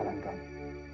saya akan mencoba